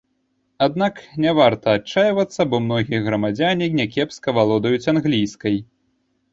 Аднак, няварта адчайвацца, бо многія грамадзяне някепска валодаюць англійскай.